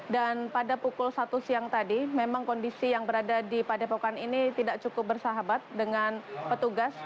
dan pada pukul satu siang tadi memang kondisi yang berada di padepokan ini tidak cukup bersahabat dengan petugas